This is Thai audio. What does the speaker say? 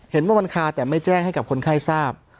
เมื่อวันคาแต่ไม่แจ้งให้กับคนไข้ทราบ